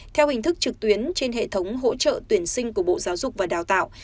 theo hình thức trực tuyến trên hệ thống hỗ trợ tuyển sinh của bộ giáo dục và đào tạo